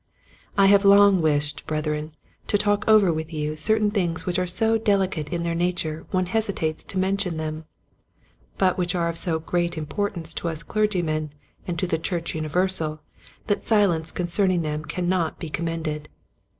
I have long wished, Brethren, to talk over with you certain things which are so delicate in their nature one hesitates to mention them, but which are of so great importance to us clergymen and to the church universal, that silence concerning them cannot be commended.